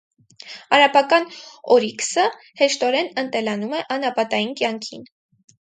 Արաբական օրիքսը հեշտորեն ընտելանում է անապատային կյանքին։